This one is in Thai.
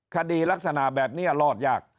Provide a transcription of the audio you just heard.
คดีลักษณะแบบนี้รอดยาก